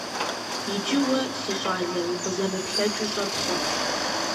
Иджы уэ, си щӀалэ, укъызэмыплъэкӀыу щӀэпхъуэ.